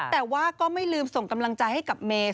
แต่ว่าก็ไม่ลืมส่งกำลังใจให้กับเมย์